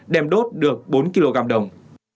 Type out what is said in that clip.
đem đốt được bốn kg đồng